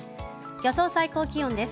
予想最高気温です。